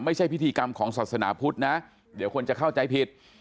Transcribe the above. พิธีกรรมของศาสนาพุทธนะเดี๋ยวคนจะเข้าใจผิด